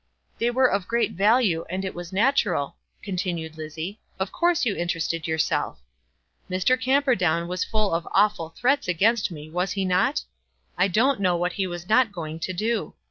"They were of great value, and it was natural," continued Lizzie. "Of course you interested yourself. Mr. Camperdown was full of awful threats against me; was he not? I don't know what he was not going to do.